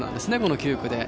９区で。